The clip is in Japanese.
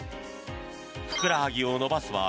ふくらはぎを伸ばす場合